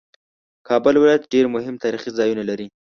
کابل ولایت ډېر مهم تاریخي ځایونه لري